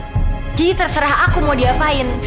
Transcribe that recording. jadi terserah aku mau diapain